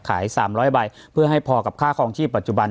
ขาย๓๐๐ใบเพื่อให้พอกับค่าคลองชีพปัจจุบัน